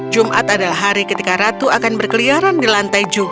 jumat adalah hari ketika ratu akan berkeliaran